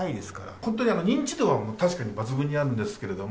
本当に認知度は、確かに抜群にあるんですけれども。